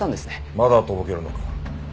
まだとぼけるのか？